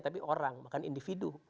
tapi orang bahkan individu